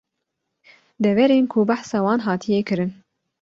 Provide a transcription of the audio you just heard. Deverên ku behsa wan hatiye kirin